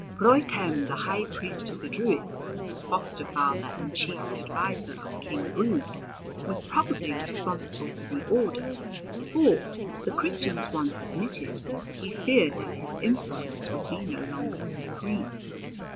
Broichem, the high priest of the Druids, the foster father and chief adviser of King Brude, was probably responsible for the order, for, the Christians once admitted, he feared that his influence would be no longer supreme.